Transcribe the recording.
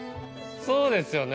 そうですよね。